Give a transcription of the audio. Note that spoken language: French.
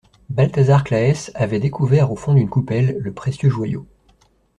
Balthazar Claës avait découvert au fond d'une coupelle, le précieux joyau.